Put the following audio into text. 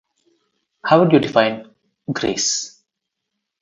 How would you define "grace"?